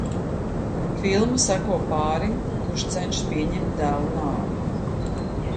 Filma seko pārim, kurš cenšas pieņemt dēla nāvi.